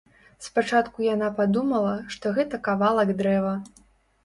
Спачатку яна падумала, што гэта кавалак дрэва.